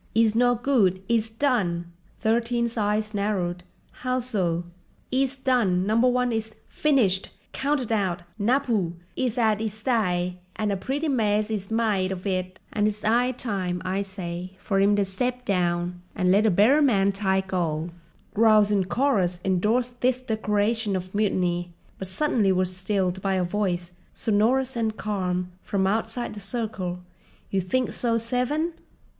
"'E's no good, 'e's done." Thirteen's eyes narrowed. "How so?" "'E's done, Number One is—finished, counted out, napoo! 'E's 'ad 'is d'y, and a pretty mess 'e's mide of it—and it's 'igh time, I say, for 'im to step down and let a better man tike 'old." Growls in chorus endorsed this declaration of mutiny; but suddenly were stilled by a voice, sonorous and calm, from outside the circle: "You think so, Seven?